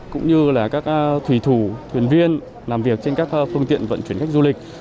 cũng như các thủy thủ thuyền viên làm việc trên các phương tiện vận chuyển khách du lịch